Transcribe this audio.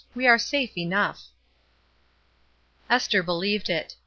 We are safe enough." Esther believed it.